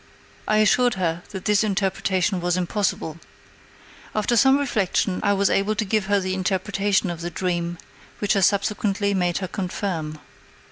I assured her that this interpretation was impossible. After some reflection I was able to give her the interpretation of the dream, which I subsequently made her confirm.